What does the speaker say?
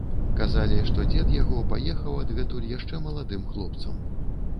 Казалі, што дзед яго паехаў адгэтуль яшчэ маладым хлопцам.